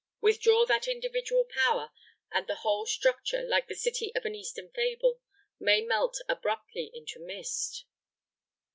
Withdraw that individual power, and the whole structure, like the city of an Eastern fable, may melt abruptly into mist.